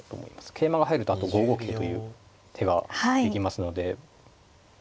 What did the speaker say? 桂馬が入るとあと５五桂という手ができますので。